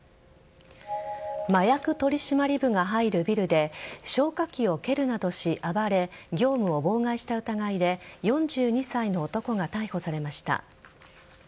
麻薬取締部が入るビルで消火器を蹴るなどし暴れ業務を妨害した疑いで４２歳の男が逮捕されました。